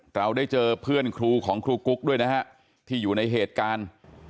เราได้เจอเพื่อนครูของครูกุ๊กด้วยนะฮะที่อยู่ในเหตุการณ์